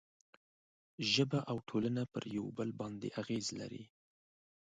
ژبه او ټولنه پر یو بل باندې اغېز لري.